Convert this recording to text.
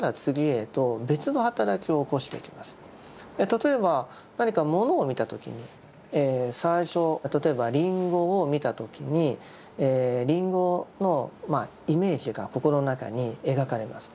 例えば何かものを見た時に最初例えばリンゴを見た時にリンゴのイメージが心の中に描かれます。